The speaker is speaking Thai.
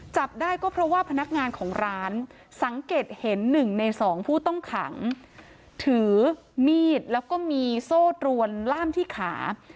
จับได้ก็เพราะว่าพนักงานของร้านสังเกตเห็นหนึ่งในสองผู้ต้องขังถือมีดแล้วก็มีโซ่ตรวนล่ามที่ขา